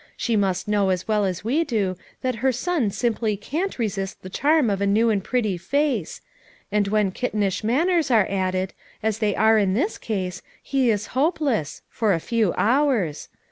She must know as well as we do that her son simply can't resist the charm of a new and pretty face; and when kittenish manners are added, as they are in this case, he is hopeless— for a few hours.